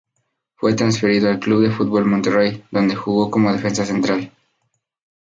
Fue transferido al Club de Fútbol Monterrey, donde jugó como Defensa Central.